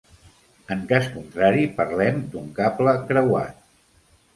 En cas contrari parlem d'un cable creuat.